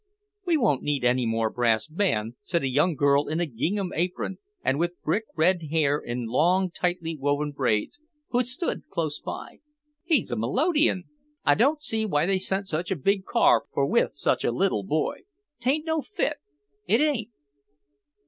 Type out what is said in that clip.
"We won't need any more brass band," said a young girl in a gingham apron and with brick red hair in long tightly woven braids, who stood close by; "he's a melodeon. I don't see what they sent such a big car for with such a little boy. 'Taint no fit, it ain't."